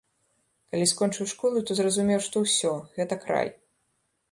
Калі скончыў школу, то зразумеў, што ўсё, гэта край.